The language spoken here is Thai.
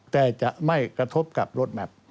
แต่จะไม่กระทบกับรถแมพ